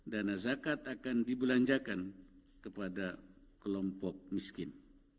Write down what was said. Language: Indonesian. dana zakat akan dibelanjakan kepada kelompok miskin